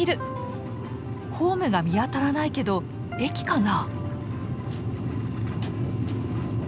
ホームが見当たらないけど駅かな？